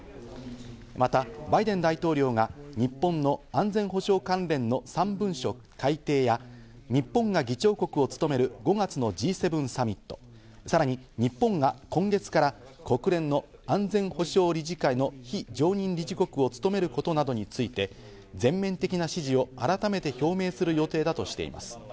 またバイデン大統領が日本の安全保障関連の３文書改定や、日本が議長国を務める５月のＧ７サミット、さらに日本が今月から国連の安全保障理事会の非常任理事国を務めることなどについて、全面的な支持を改めて表明する予定だとしています。